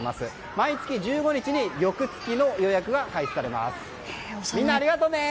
毎月１５日に翌月の予約が開始されます。